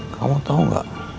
kamu tau gak